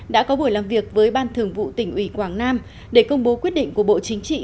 đã có buổi làm việc với ban thường vụ tỉnh ủy quảng nam để công bố quyết định của bộ chính trị